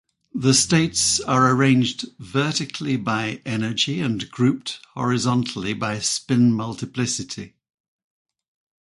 The states are arranged vertically by energy and grouped horizontally by spin multiplicity.